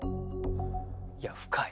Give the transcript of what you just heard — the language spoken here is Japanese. いや深い。